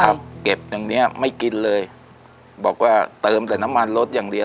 เก็บอย่างเนี้ยไม่กินเลยบอกว่าเติมแต่น้ำมันรสอย่างเดียว